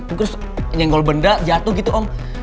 terus nyenggol benda jatuh gitu om